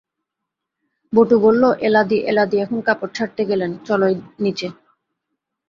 বটু বললে, এলাদি– এলাদি এখন কাপড় ছাড়তে গেলেন, চলো নিচে।